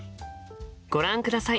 ご覧ください。